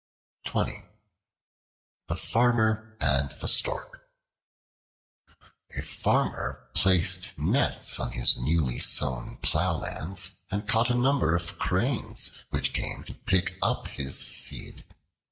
The Farmer and the Stork A FARMER placed nets on his newly sown plowlands and caught a number of Cranes, which came to pick up his seed.